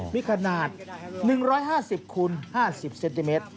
มีขนาด๑๕๐คูณ๕๐เซนติเมตร